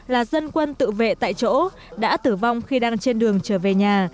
là dân quân tự vệ tại chỗ đã tử vong khi đang trên đường trở về nhà